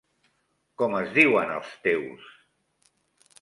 Com es diuen els teus??